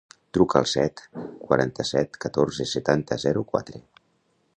Truca al set, quaranta-set, catorze, setanta, zero, quatre.